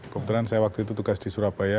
kebetulan saya waktu itu tugas di surabaya